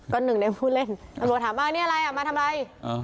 ก็หนึ่งในผู้เล่นตำรวจถามว่านี่อะไรอ่ะมาทำอะไร